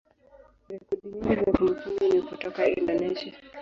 rekodi nyingi za kumbukumbu ni kutoka Indonesia.